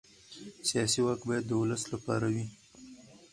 سیاسي واک باید د ولس لپاره وي